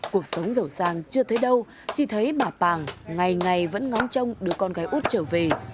cuộc sống giàu sang chưa thấy đâu chị thấy bà pàng ngày ngày vẫn ngóng trông đưa con gái út trở về